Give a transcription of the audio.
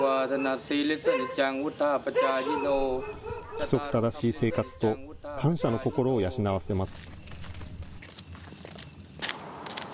規則正しい生活と感謝の心を養わせます。